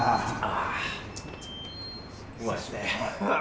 あうまいっすね。